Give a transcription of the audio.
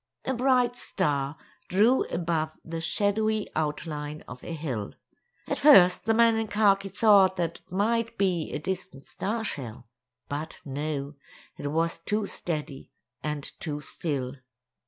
A bright star drew above the shadowy outline of a hill. At first the man in khaki thought that it might be a distant star shell; but no, it was too steady and too still.